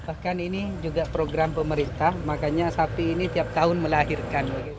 bahkan ini juga program pemerintah makanya sapi ini tiap tahun melahirkan